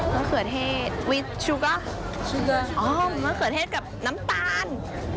มะเขือเทศกับน้ำตาล